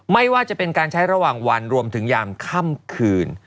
ไม่ว่าจะเป็นการใช้ระหว่างวันรวมถึงยามค่ำคืน